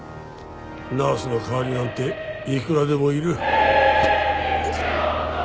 ナースの代わりなんていくらでもいる。